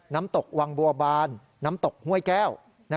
น้ำตกวังบัวบานน้ำตกห้วยแก้ว